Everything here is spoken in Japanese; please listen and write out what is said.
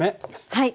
はい。